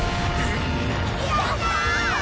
やったー！